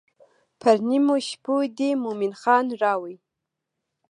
پر نیمو شپو دې مومن خان راوی.